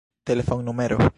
telefonnumero